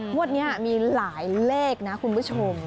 งวดนี้มีหลายเลขนะคุณผู้ชม